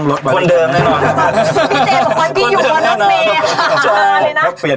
หยุดลงไป